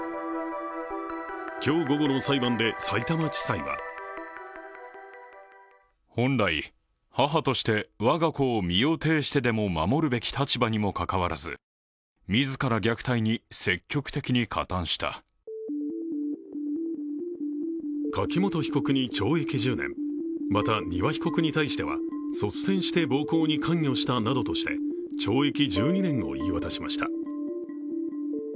今日午後の裁判でさいたま地裁は柿本被告に懲役１０年また、丹羽被告に対しては率先して暴行に関与したなどとして懲役１２年を言い渡しました。